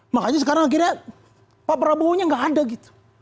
makanya sekarang akhirnya pak prabowo nya gak ada gitu